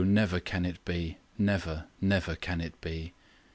never can it be! Never, never can it be!